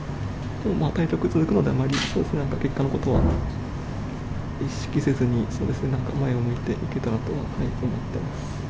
対局続くので、あまり結果のことは意識せずに、そうですね、前を向いていけたらと思っております。